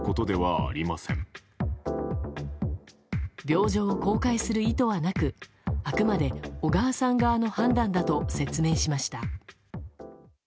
病状を公開する意図はなくあくまで小川さん側の判断だと説明しました。